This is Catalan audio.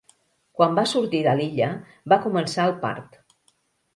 Quan va sortir de l'illa, va començar el part.